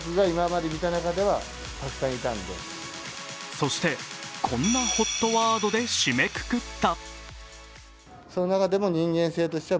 そして、こんなＨＯＴワードで締めくくった。